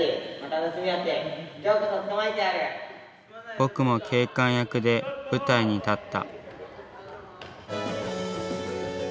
僕も警官役で舞台に立った。